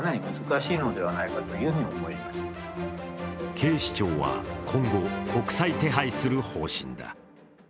警視庁は今後、国際手配する方針だ。